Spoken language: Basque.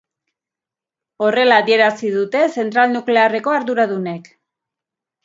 Horrela adierazi dute zentral nuklearreko arduradunek.